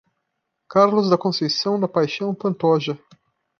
Carlos da Conceição da Paixao Pantoja